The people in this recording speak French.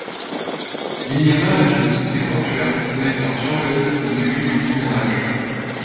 Vinyamar est une cité portuaire fondée par Turgon au début du Premier Âge.